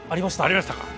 ありましたか。